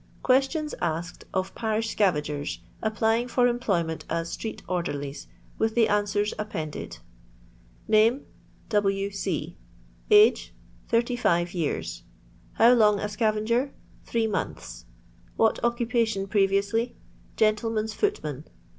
— Ques tions asked of Parish Scavagers, applying for employment as Street Orderlies, with the an steers appended. Name 1— W C . Age 1 — 85 years. How long a scavenger 1 — Three months. What occupation preriously 1 — Gentleman's footman.